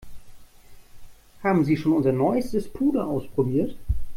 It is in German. Haben Sie schon unser neuestes Puder ausprobiert?